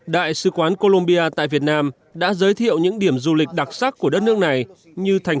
đại sứ quán colombia tại việt nam đã giới thiệu những điểm du lịch đặc sắc của đất nước này như thành